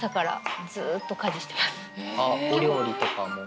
お料理とかも？